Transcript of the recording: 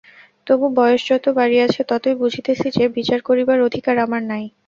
তবু বয়স যত বাড়িয়াছে, ততই বুঝিতেছি যে, বিচার করিবার অধিকার আমার নাই।